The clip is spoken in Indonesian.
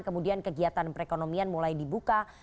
kemudian kegiatan perekonomian mulai dibuka